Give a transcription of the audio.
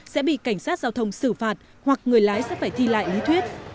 sẽ bị cảnh sát giao thông xử phạt hoặc người lái sẽ phải thi lại lý thuyết